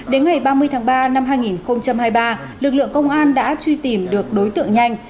đến ngày ba mươi tháng ba năm hai nghìn hai mươi ba lực lượng công an đã truy tìm được đối tượng nhanh